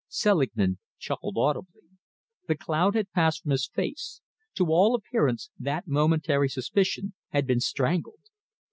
Selingman chuckled audibly. The cloud had passed from his face. To all appearance that momentary suspicion had been strangled.